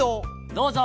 どうぞ。